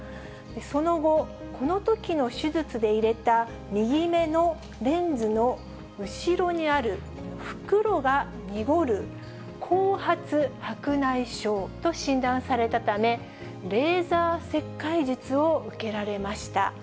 その後、このときの手術で入れた右目のレンズの後ろにある袋が濁る、後発白内障と診断されたため、レーザー切開術を受けられました。